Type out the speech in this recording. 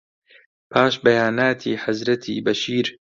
پاش بەیاناتی حەزرەتی بەشیر